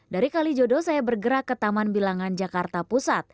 dari kalijodo saya bergerak ke taman bilangan jakarta pusat